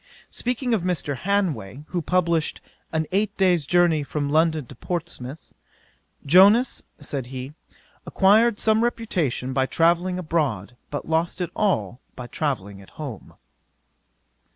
'Speaking of Mr. Hanway, who published An Eight Days' Journey from London to Portsmouth, "Jonas, (said he,) acquired some reputation by travelling abroad, but lost it all by travelling at home.